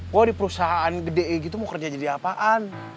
wah di perusahaan gede gitu mau kerja jadi apaan